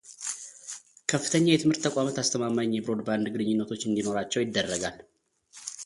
ከፍተኛ የትምህርት ተቋማት አስተማማኝ የብሮድባንድ ግንኙነቶች እንዲኖራቸው ይደረጋል